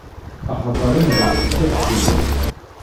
Axaṭer amdan idda-tt fell-i.